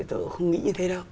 tôi không nghĩ như thế đâu